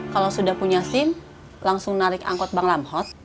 kalau sudah punya sim langsung narik angkot bank lamhot